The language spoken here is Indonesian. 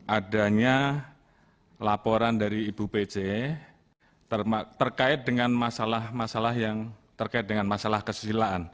adanya laporan dari ibu pc terkait dengan masalah masalah yang terkait dengan masalah kesusilaan